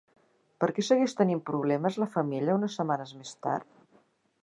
Per què segueix tenint problemes la femella unes setmanes més tard?